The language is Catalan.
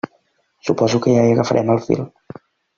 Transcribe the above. Suposo que ja hi agafarem el fil.